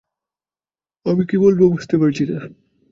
আমি কি বলবো বুঝতে পারছি না।